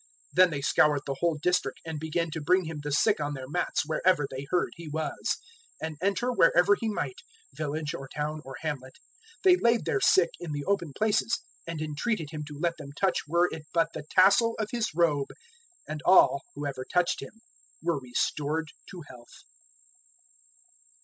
006:055 Then they scoured the whole district, and began to bring Him the sick on their mats wherever they heard He was. 006:056 And enter wherever He might village or town or hamlet they laid their sick in the open places, and entreated Him to let them touch were it but the tassel of His robe; and all, whoever touched Him, were restored to health.